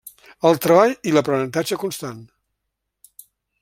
El treball i l'aprenentatge constant.